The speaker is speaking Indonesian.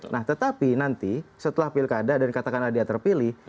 nah tetapi nanti setelah pilkada dan katakanlah dia terpilih